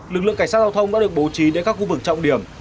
lực lượng cảnh sát giao thông đã được bố trí đến các khu vực trọng điểm